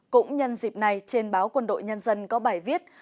cũng nhân dịp này trên báo quân đội nhân dân có bài viết